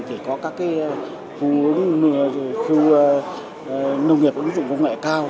thì có các cái khu nông nghiệp ứng dụng công nghệ cao